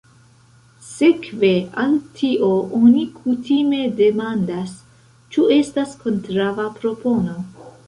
Sekve al tio oni kutime demandas, ĉu estas kontraŭa propono.